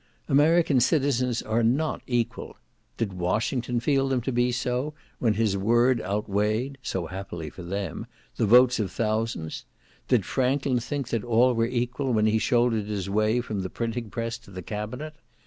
American citizens are not equal. Did Washington feel them to be so, when his word outweighed (so happily for them) the votes of thousands? Did Franklin think that all were equal when he shouldered his way from the printing press to the cabinet?